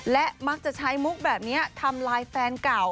และมักจะใช้มุกแบบนี้ทำลายแฟนเก่า